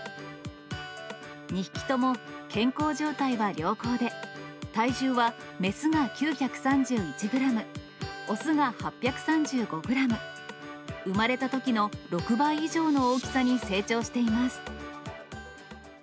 ２匹とも健康状態は良好で、体重は雌が９３１グラム、雄が８３５グラム、産まれたときの６倍以上の大きさに成長しています。